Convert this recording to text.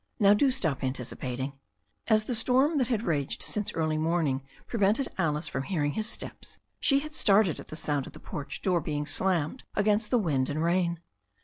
Now do stop anticipating." As the storm that had raged since early morn ing prevented Alice from hearing his steps, she had started at the sound of the porch door being slammed against the wind and rain.